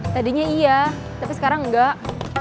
tadinya iya tapi sekarang enggak